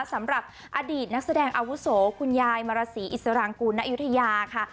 สำหรับอดีตนักแสดงอาวุโสคุณยายมารสีอิสรางกูลณยุธยาค่ะ